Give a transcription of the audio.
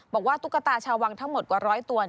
ตุ๊กตาชาววังทั้งหมดกว่าร้อยตัว